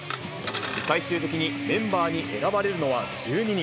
最終的にメンバーに選ばれるのは１２人。